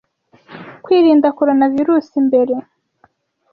Nibyiza kwirinda Coronavirusi mbere.